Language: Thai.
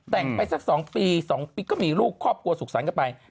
แต่งไปสัก๒ปี๒ปีก็มีลูกครอบครัวสุขสรรค์กันไป